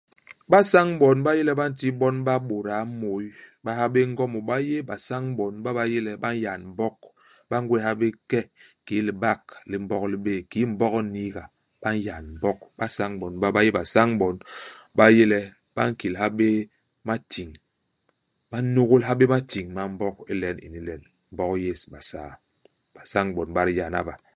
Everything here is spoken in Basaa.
Ibasañ-bon ba yé le ba nti bon bap bôda môy, ba ha bé Ngo mu, ba yé basañ-bon ba ba yé le ba n'yan Mbog, ba ngwés ha bé ke kiki libak li Mbog li bé'é, kiki Mbog i n'niiga. Ba n'yan Mbog. Ibasañ-bon ba ba yé basañ-bon ba yé le ba nkil ha bé i matiñ. Ba n'nôgôl ha bé matiñ ma Mbog ilen ini len. Mbog yes i Basaa. Basañ-bon ba diyana ba.